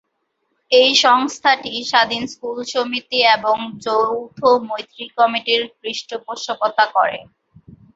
এই সংস্থাটি স্বাধীন স্কুল সমিতি এবং "যৌথ মৈত্রী কমিটির" পৃষ্ঠপোষকতা করে।